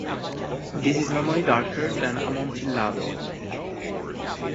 It is normally darker than Amontillado.